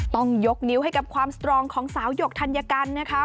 ต้องยกนิ้วให้กับความสตรองของสาวหยกธัญกันนะคะ